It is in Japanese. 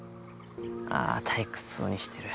あぁ退屈そうにしてる。